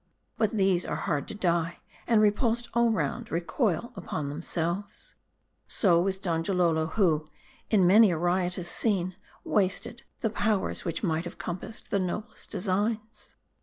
But these are hard to die ; and repulsed all round, recoil upon themselves. So with Donjalolo ; who, in many a riotous scene, wasted the powers which might have compassed the noblest designs.